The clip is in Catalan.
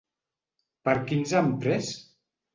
Per qui ens han pres?